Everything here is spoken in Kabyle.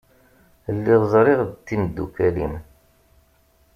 Lliɣ ẓriɣ d timdukal-im.